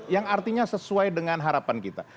yang artinya sesuai dengan harapan kita